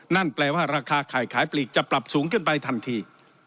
นั่นแปลว่าราคาไข่ขายปลีกจะปรับสูงขึ้นไปทันที